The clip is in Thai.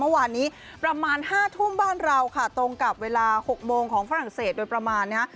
เมื่อวานนี้ประมาณ๕ทุ่มบ้านเราค่ะตรงกับเวลา๖โมงของฝรั่งเศสโดยประมาณนะฮะ